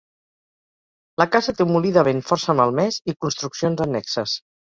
La casa té un molí de vent força malmès i construccions annexes.